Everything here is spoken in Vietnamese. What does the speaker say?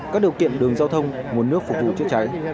các điều kiện đường giao thông nguồn nước phục vụ chữa cháy